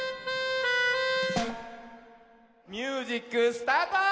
ミュージックスタート！